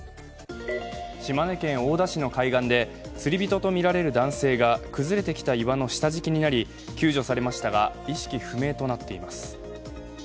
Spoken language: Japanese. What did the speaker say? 島根県大田市の海岸で釣り人とみられる男性が崩れてきた岩の下敷きになり、救助されましたが意識不明となっています。